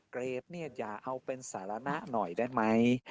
เกรดเนี่ยอย่าเอาเป็นสารณะหน่อยได้ไหม